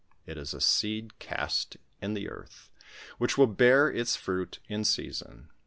It is a seed cast in the earth which will bear its fruit in season.